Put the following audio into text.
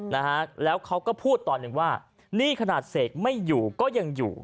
นะฮะแล้วเขาก็พูดตอนหนึ่งว่านี่ขนาดเสกไม่อยู่ก็ยังอยู่